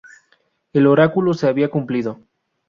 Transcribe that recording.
El oráculo se había cumplido.